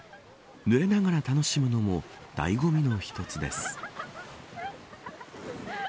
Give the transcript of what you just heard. ぬれながら楽しむのも醍醐味の一つです。